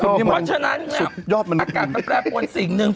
ไม่เจอฉะนั้นอากาฆาตนั้นแปรวนสิ่งเหนื่อง